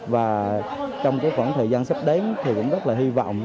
và trong khoảng thời gian sắp đến thì cũng rất là hy vọng